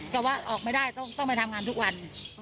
แต่ว่าออกไม่ได้ต้องไปทำงานทุกวัน